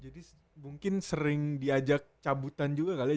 jadi mungkin sering diajak cabutan juga kali ya